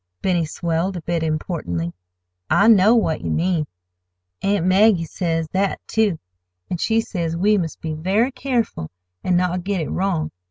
Benny swelled a bit importantly, "I know what you mean. Aunt Maggie says that, too; an' she says we must be very careful an' not get it wrong.